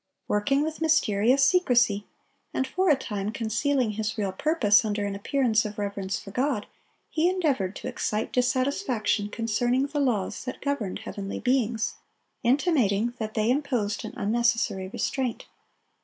Working with mysterious secrecy, and for a time concealing his real purpose under an appearance of reverence for God, he endeavored to excite dissatisfaction concerning the laws that governed heavenly beings, intimating that they imposed an unnecessary restraint.